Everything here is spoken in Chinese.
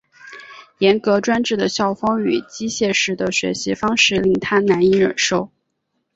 严格专制的校风与机械式的学习方式令他难以忍受。